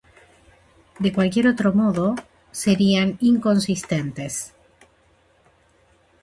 De cualquier otro modo, serían "inconsistentes".